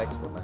ini mulut lah